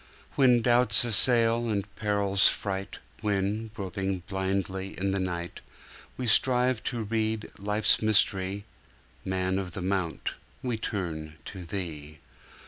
When doubts assail, and perils fright, When, groping blindly in the night, We strive to read life's mystery, Man of the Mount, We turn to Thee!